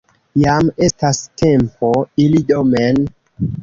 Jam estas tempo iri domen.